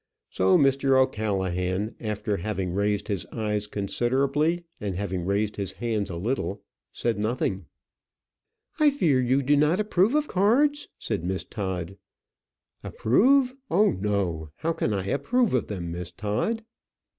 So Mr. O'Callaghan, having raised his eyes considerably, and having raised his hands a little, said nothing. "I fear you do not approve of cards?" said Miss Todd. "Approve! oh no, how can I approve of them, Miss Todd?"